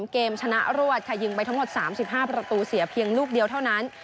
เกมชนะรวดค่ะยิงไปทั้งหมด๓๕ประตูเสียเพียงลูกเดียวเท่านั้น